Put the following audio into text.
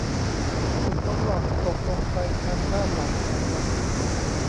ผมของหล่อนตกลงไปทางด้านหลังของหล่อน